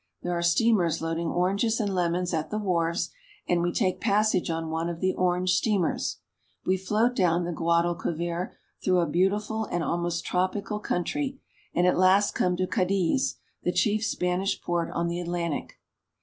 There are steamers loading oranges and lemons at the wharves, and we take passage on one of the orange steamers. We float down the Guadalquivir through a beautiful and almost tropical country, and at last come to Cadiz, the chief Spanish port on the Atlantic.